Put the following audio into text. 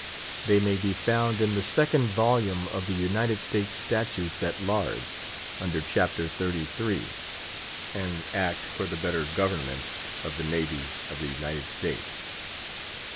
They may be found in the second volume of the "United States Statutes at Large," under chapter xxxiii.—"An act for the better government of the Navy of the United States."